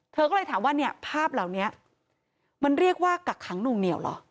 เธอก็เลยถามว่าเนี่ยภาพเหล่านี้มันเรียกว่ากักขังหนุ่งเหนียวเหรอ